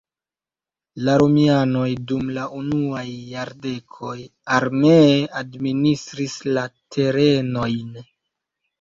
La romianoj dum la unuaj jardekoj armee administris la terenojn.